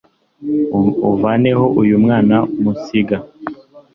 uvaneho uyu mwana musinga .